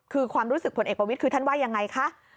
คือความรู้สึกผลเอกประวิทย์คือท่านว่ายังไงคะ